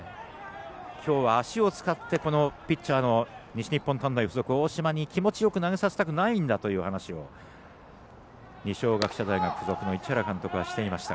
きょうは足を使ってピッチャーの西日本短大付属、大嶋に気持ちよく投げさせたくないんだという話を二松学舎大付属の市原監督はしていました。